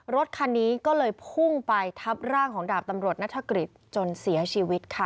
รถคันนี้ก็เลยพุ่งไปทับร่างของดาบตำรวจนัฐกฤษจนเสียชีวิตค่ะ